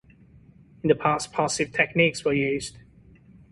In the past, passive techniques were used.